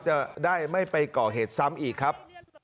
จะได้ไม่ไปก่อเหตุซ้ำอีกครับ